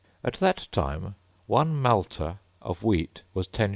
At that time one malter of wheat was 10s.